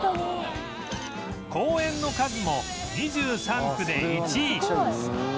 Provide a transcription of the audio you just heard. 公園の数も２３区で１位